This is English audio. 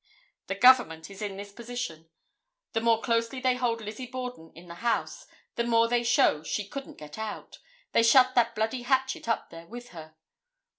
The Government is in this position. The more closely they hold Lizzie Borden in that house, the more they show she couldn't get out, they shut that bloody hatchet up there with her.